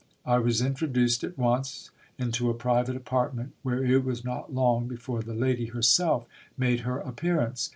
I was introduced at once into a private apartment, where it was not long before the lady herself made her appearance.